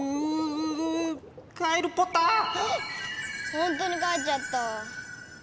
ほんとに帰っちゃった。